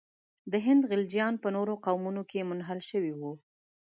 د هند خلجیان په نورو قومونو کې منحل شوي وي.